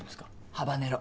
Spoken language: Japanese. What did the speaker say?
ハバネロ。